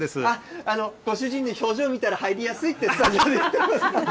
ご主人の表情見たら入りやすいって、スタジオ言ってますね。